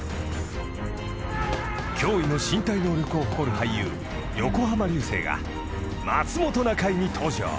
［驚異の身体能力を誇る俳優横浜流星が『まつもｔｏなかい』に登場］